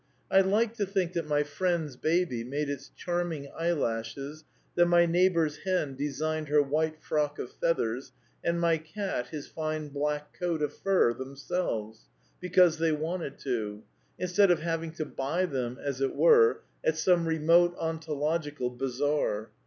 I like to think that my friend's baby made its charming eyelashes, that my neighbour's hen designed her white frock of feathers, and my cat his fine black coat of fur, themselves; because they wanted to; instead of having to buy them, as it were, at some remote ontological bazaar.